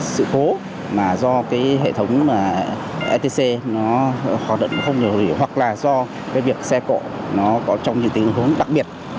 sự cố mà do cái hệ thống etc nó hoạt động không được hoặc là do cái việc xe cộ nó có trong những tình huống đặc biệt